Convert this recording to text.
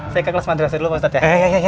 saya ke kelas madrasah dulu pak ustadz ya